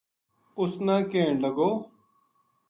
اُس نا کہن لگو